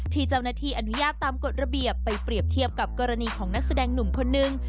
ที่เจ้าหน้าที่อนุญาตตามกฎระเบียบไปเปรียบเทียบกับกรณีของนักแสดงหนุ่มคนนึง